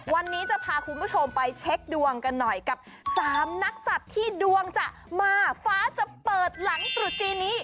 วันนี้จะพาคุณผู้ชมไปเช็คดวงกันหน่อยกับสามนักสัตว์ที่ดวงจะมาฟ้าจะเปิดหลังตรุษจีนนี้